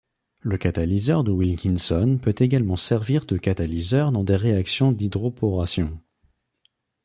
Le catalyseur de Wilkinson peut également servir de catalyseur dans des réactions d'hydroboration.